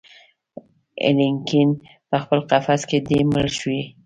الیکین پخپل قفس کي دی مړ شوی